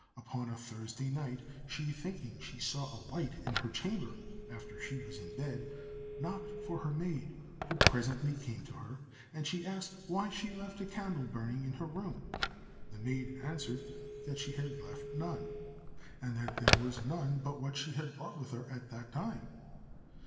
Upon a Thursday night, she thinking she saw a light in her chamber after she was in bed, knocked for her maid, who presently came to her, and she asked why she left a candle burning in her room. The maid answered that she had left none, and that there was none but what she had brought with her at that time.